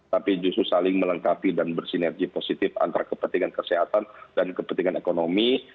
tapi justru saling melengkapi dan bersinergi positif antara kepentingan kesehatan dan kepentingan ekonomi